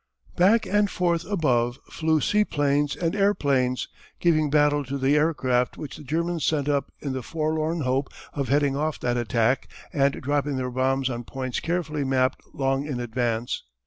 Back and forth above flew seaplanes and airplanes, giving battle to the aircraft which the Germans sent up in the forlorn hope of heading off that attack and dropping their bombs on points carefully mapped long in advance.